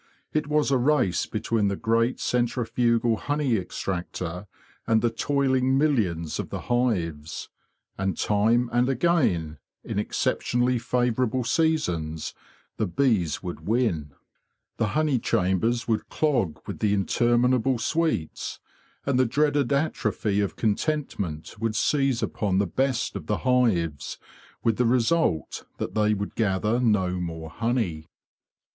It was a race between the great centrifugal honey extractor and the toiling millions of the hives; and time and again, in exceptionally favourable seasons, the bees 158 THE HONEY FLOW 150 would win; the honey chambers would clog with the interminable sweets, and the dreaded atrophy of contentment would seize upon the best of the hives, with the result that they would gather no more honey.